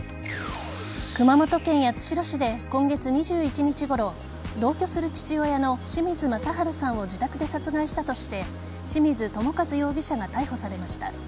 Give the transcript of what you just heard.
熊本県八代市で今月２１日ごろ同居する父親の志水正春さんを自宅で殺害したとして志水友和容疑者が逮捕されました。